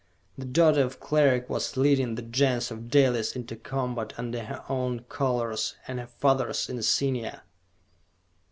The daughter of Cleric was leading the Gens of Dalis into combat under her own colors and her father's insignia!